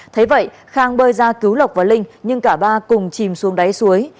thế vậy khang bơi ra cứu lộc và linh nhưng cả ba cùng chìm xuống đáy suối